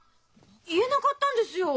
言えなかったんですよ。